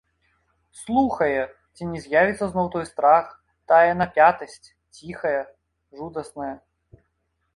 Слухае, ці не з'явіцца зноў той страх, тая напятасць ціхая, жудасная.